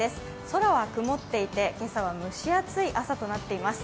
空は曇っていて、今朝は蒸し暑い朝となっています。